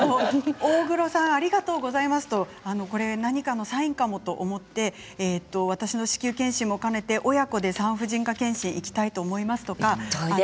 大黒さんありがとうございますと何かのサインかもと思って子宮検診も兼ねて親子で産婦人科検診に行きたいと思いますということです。